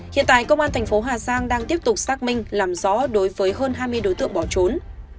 hiện tại công an tp hcm đang tiếp tục xác minh làm rõ đối với hơn hai mươi đối tượng bỏ trốn